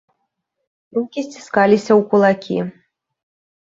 Рукі сціскаліся ў кулакі.